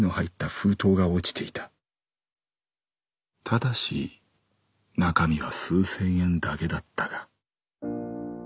ただし中身は数千円だけだったが」。